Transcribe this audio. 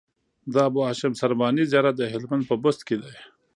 د ابوالهاشم سرواني زيارت د هلمند په بست کی دی